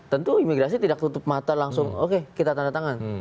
tentu imigrasi tidak tutup mata langsung oke kita tanda tangan